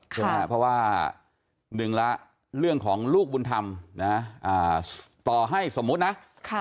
เพราะว่า๑ละเรื่องของลูกบุญธรรมต่อให้สมมตินะ